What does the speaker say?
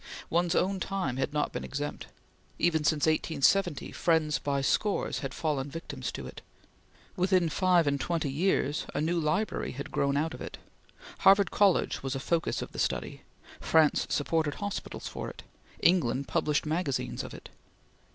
One's own time had not been exempt. Even since 1870 friends by scores had fallen victims to it. Within five and twenty years, a new library had grown out of it. Harvard College was a focus of the study; France supported hospitals for it; England published magazines of it.